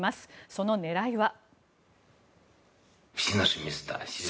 その狙いは。